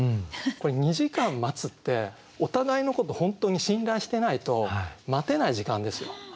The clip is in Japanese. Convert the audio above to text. これ２時間待つってお互いのことを本当に信頼してないと待てない時間ですよ。